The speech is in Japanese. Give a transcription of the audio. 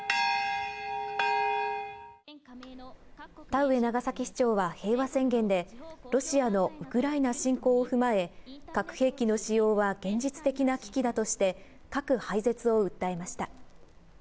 田上長崎市長は平和宣言で、ロシアのウクライナ侵攻を踏まえ、核兵器の使用は現実的な危機だとして、核廃絶を訴えました。